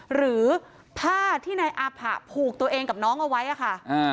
หรือผ้าที่นายอาผะผูกตัวเองกับน้องเอาไว้อะค่ะ